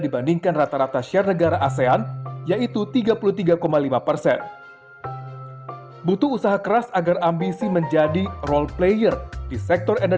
kita ingin melihat perusahaan yang lebih bersih dan mendapatkan sumber daya